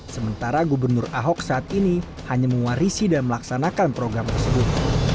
sementara gubernur ahok saat ini hanya mewarisi dan melaksanakan program tersebut